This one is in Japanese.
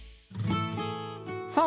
さあ